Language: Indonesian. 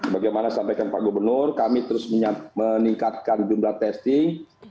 bagaimana sampaikan pak gubernur kami terus meningkatkan jumlah testing